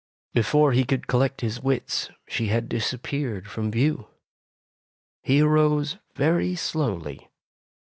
Before he could collect his wits, she had disappeared from view. He arose very slowly.